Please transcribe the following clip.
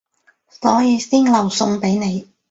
所以先留餸畀你